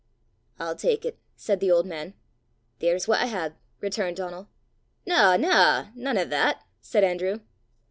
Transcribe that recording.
"I'll tak it," said the old man. "There's what I hae," returned Donal. "Na, na; nane o' that!" said Andrew.